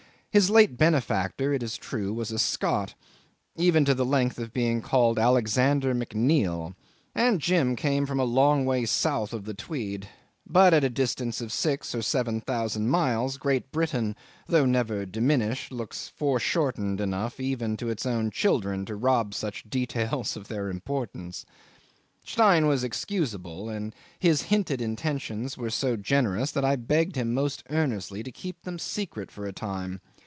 His late benefactor, it is true, was a Scot even to the length of being called Alexander McNeil and Jim came from a long way south of the Tweed; but at the distance of six or seven thousand miles Great Britain, though never diminished, looks foreshortened enough even to its own children to rob such details of their importance. Stein was excusable, and his hinted intentions were so generous that I begged him most earnestly to keep them secret for a time.